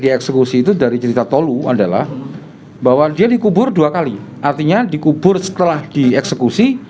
dieksekusi itu dari cerita tolu adalah bahwa dia dikubur dua kali artinya dikubur setelah dieksekusi